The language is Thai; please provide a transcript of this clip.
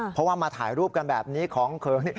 เพราะว่ามาถ่ายรูปกันแบบนี้ของเครื่องนี้